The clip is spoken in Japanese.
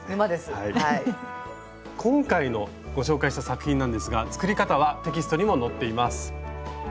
今回ご紹介した作品なんですが作り方はテキストにも載っています。